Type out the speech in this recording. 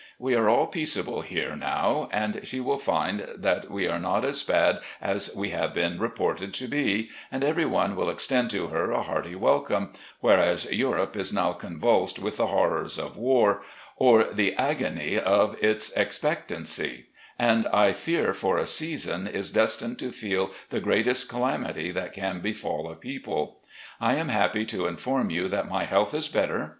We are all peaceable here now and she will find that we are not as bad as we have been reported to be, and every one will extend to her a hearty welcome, whereas Europe is now convulsed with the horrors of war or the agony of its expectancy, and I fear for a season is destined to feel the greatest calamity that can befall a people. I am happy to inform you that my health is better.